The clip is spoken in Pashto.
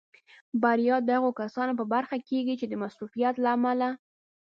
بریا د هغو کسانو په برخه کېږي چې د مصروفیت له امله.